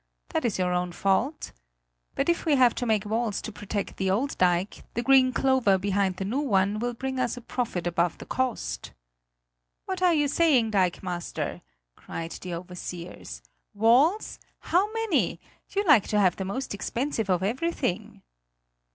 That is your own fault. But if we have to make walls to protect the old dike, the green clover behind the new one will bring us a profit above the cost." "What are you saying, dikemaster?" cried the overseers; "Walls? How many? You like to have the most expensive of everything."